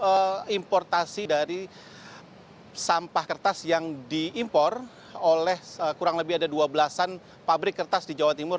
untuk importasi dari sampah kertas yang diimpor oleh kurang lebih ada dua belas an pabrik kertas di jawa timur